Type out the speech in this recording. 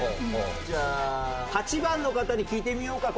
じゃあ８番の方に聞いてみようか。